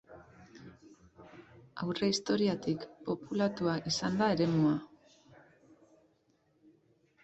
Aurrehistoriatik populatua izan da eremua.